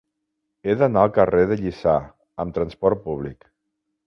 He d'anar al carrer de Lliçà amb trasport públic.